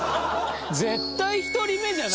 絶対１人目じゃない。